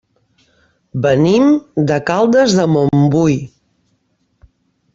Venim de Caldes de Montbui.